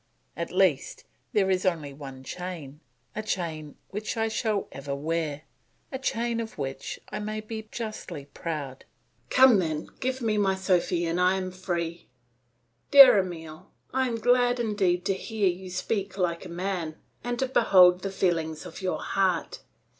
At least, there is only one chain, a chain which I shall ever wear, a chain of which I may be justly proud. Come then, give me my Sophy, and I am free." "Dear Emile, I am glad indeed to hear you speak like a man, and to behold the feelings of your heart.